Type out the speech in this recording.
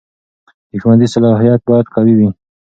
د ښوونځي صلاحیت باید قوي وي.